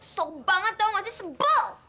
so banget tau nggak sih sebel